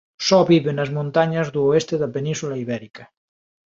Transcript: Só vive nas montañas do oeste da Península Ibérica.